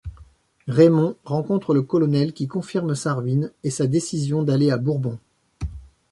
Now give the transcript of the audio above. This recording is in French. Raymon rencontre le colonel qui confirme sa ruine et sa décision d'aller à Bourbon.